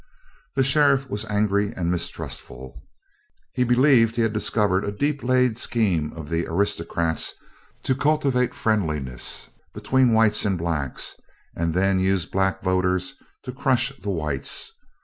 The sheriff was angry and mistrustful. He believed he had discovered a deep laid scheme of the aristocrats to cultivate friendliness between whites and blacks, and then use black voters to crush the whites.